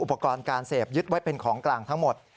อุปกรณ์การเสพยึดไว้เป็นของกลางทั้งหมด